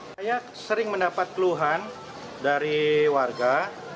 saya sering mendapat keluhan dari warga